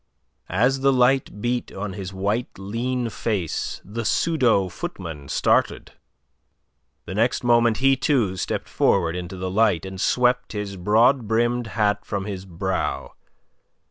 As the light beat on his white, lean face the pseudo footman started. The next moment he too stepped forward into the light, and swept his broad brimmed hat from his brow.